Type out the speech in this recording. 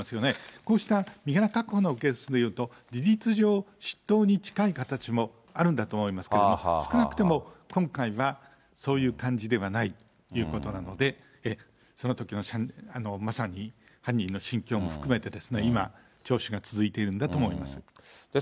こうした身柄確保のケースでいうと、事実上、出頭に近い形もあるんだと思いますけども、少なくとも今回は、そういう感じではないということなので、そのときのまさに、犯人の心境も含めて、今、聴取が続いているんだと思います。